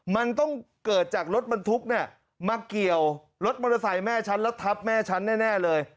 มันต้องเกิดจากรถบรรทุกเนี่ยมาเกี่ยวรถมอเตอร์ไซค์แม่ฉันแล้วทับแม่ฉันแน่เลย